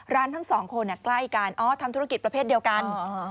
ทั้งสองคนใกล้กันอ๋อทำธุรกิจประเภทเดียวกัน